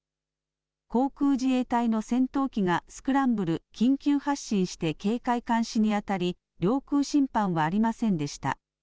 航空自衛隊の戦闘機がスクランブル、緊急発進して警戒監視に当たり領空侵犯はありませんでした。